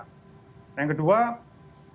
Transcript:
nah yang kedua lebih banyak yang mengatakan bahwa